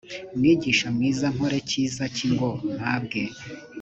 mwigisha mwiza nkore cyiza ki ngo mpabwe